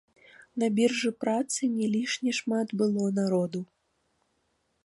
На біржы працы не лішне шмат было народу.